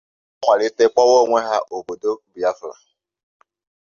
Ha wéré malite kpọwa onwe ha obodo "Bịafra".